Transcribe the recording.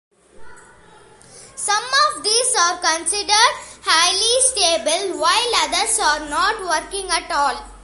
Some of these are considered highly stable while others are not working at all.